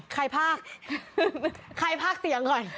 ใครภาคเสียงก่อน